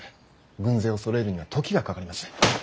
軍勢をそろえるには時がかかります。